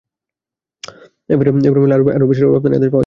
এবারের মেলায় আরও বেশি রপ্তানি আদেশ পাওয়া যাবে বলে প্রত্যাশা করেন তিনি।